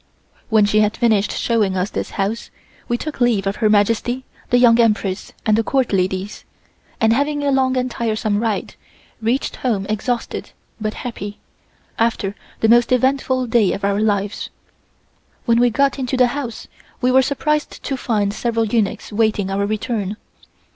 When she had finished showing us this house we took leave of Her Majesty, the Young Empress and the Court ladies, and after a long and tiresome ride, reached home exhausted but happy, after the most eventful day of our lives. When we got into the house, we were surprised to find several eunuchs waiting our return.